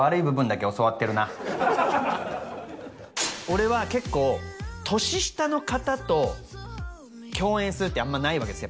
俺は結構年下の方と共演するってあんまないわけですよ